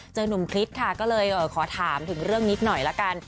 หนุ่มคริสค่ะก็เลยขอถามถึงเรื่องนิดหน่อยละกัน